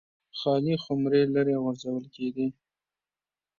خالي خُمرې لرې غورځول کېدې